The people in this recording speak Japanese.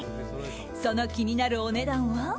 その気になるお値段は？